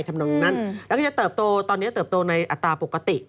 ทำนองนั่นแล้วก็จะเติบโตตอนนี้เติบโตในอัตราปกติ